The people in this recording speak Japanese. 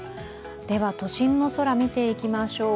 都心の空を見ていきましょう。